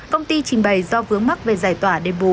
công ty trình bày do vướng mắc về giải tỏa đền bù